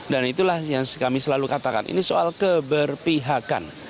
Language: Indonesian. dan itulah yang kami selalu katakan ini soal keberpihakan